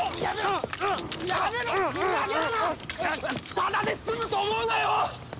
ただで済むと思うなよ！